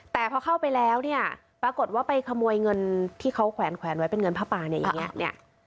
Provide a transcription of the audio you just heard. แต่พอเข้าไปแล้วเนี่ยปรากฏว่าไปขโมยเงินที่เขาแขวนไว้เป็นเงินผ้าปางเนี่ยอย่างนี้เนี่ย